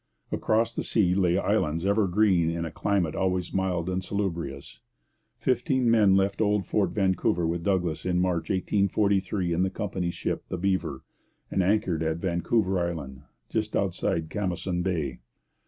Across the sea lay islands ever green in a climate always mild and salubrious. Fifteen men left old Fort Vancouver with Douglas in March 1843 in the company's ship the Beaver, and anchored at Vancouver Island, just outside Camosun Bay.